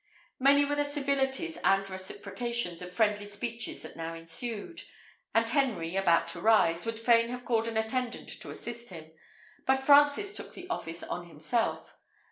Many were the civilities and reciprocations of friendly speeches that now ensued; and Henry, about to rise, would fain have called an attendant to assist him, but Francis took the office on himself.